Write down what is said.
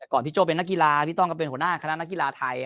พี่โจ้เป็นนักกีฬาพี่ต้องก็เป็นหัวหน้าคณะนักกีฬาไทย